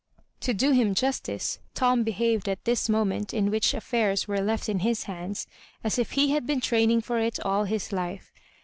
To do him justice, O^m behaved at this moment, in which affairs were left in his hands, as if he had been training for it all his life.